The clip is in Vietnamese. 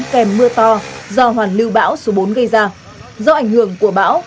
kèm mưa to do hoàn lưu bão số bốn gây ra do ảnh hưởng của bão